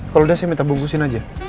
kalau udah saya minta bumbu sini aja